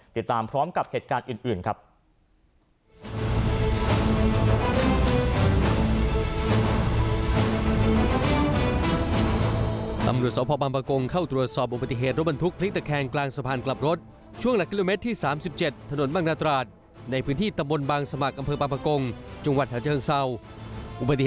ติดตามพร้อมกับเหตุการณ์อื่นครับ